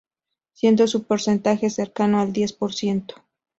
Siendo su porcentaje cercano al diez por ciento